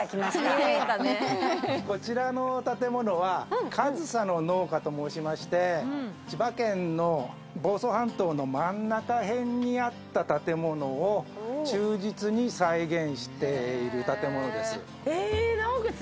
こちらの建物は上総の農家と申しまして、千葉県の房総半島の真ん中辺にあった建物を忠実に再現している建物です。